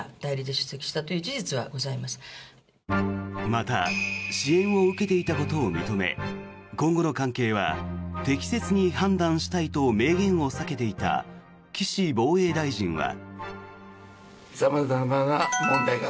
また支援を受けていたことを認め今後の関係は適切に判断したいと明言を避けていた岸防衛大臣は。